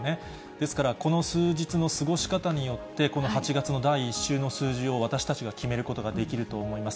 ですから、この数日の過ごし方によって、この８月の第１週の数字を私たちは決めることができると思います。